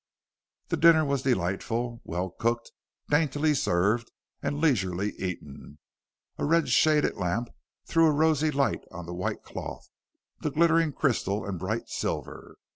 The dinner was delightful, well cooked, daintily served, and leisurely eaten. A red shaded lamp threw a rosy light on the white cloth, the glittering crystal and bright silver.